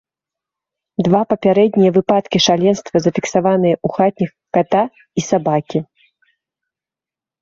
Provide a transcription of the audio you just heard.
Два папярэднія выпадкі шаленства зафіксаваныя ў хатніх ката і сабакі.